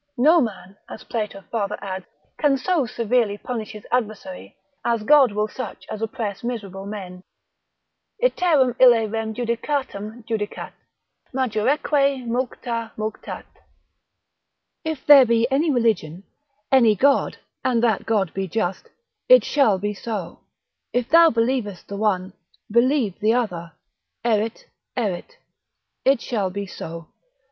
—No man (as Plato farther adds) can so severely punish his adversary, as God will such as oppress miserable men. Iterum ille rem judicatam judicat, Majoreque mulcta mulctat. If there be any religion, any God, and that God be just, it shall be so; if thou believest the one, believe the other: Erit, erit, it shall be so.